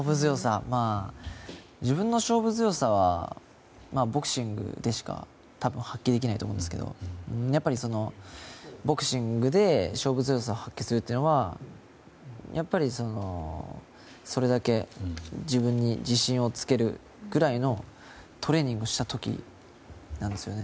自分の勝負強さはボクシングでしか多分発揮できないと思いますけどボクシングで勝負強さを発揮するというのはそれだけ自分に自信をつけるくらいのトレーニングをした時なんですよね。